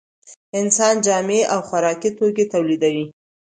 انسان جامې او خوراکي توکي تولیدوي